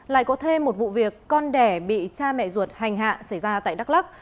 lại có thêm một vụ việc con đẻ bị cha mẹ ruột hành hạ xảy ra tại đắk lắc